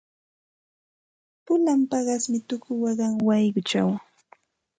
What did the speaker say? Pulan paqasmi tuku waqan wayquchaw.